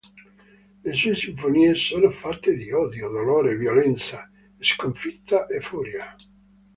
Le sue sinfonie sono fatte di odio, dolore, violenza, sconfitta e furia.